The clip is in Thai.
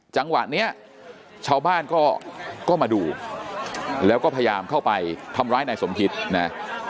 จังหวะนี้ชาวบ้านก็มาดูแล้วก็พยายามเข้าไปทำร้ายนายสมคิดนะ